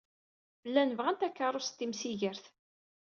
Llan bɣan takeṛṛust timsigert.